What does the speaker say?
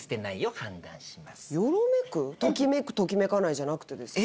ときめくときめかないじゃなくてですか？